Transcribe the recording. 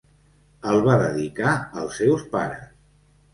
El va dedicar als seus pares.